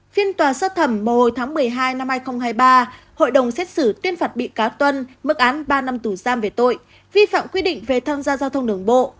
phiên tòa sơ thẩm vào hồi tháng một mươi hai năm hai nghìn hai mươi ba hội đồng xét xử tuyên phạt bị cáo tuân mức án ba năm tù giam về tội vi phạm quy định về tham gia giao thông đường bộ